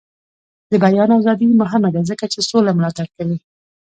د بیان ازادي مهمه ده ځکه چې سوله ملاتړ کوي.